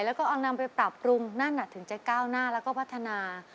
แล้วก็เอานำไปปรับปรุงนั่นถึงจะก้าวหน้าแล้วก็พัฒนา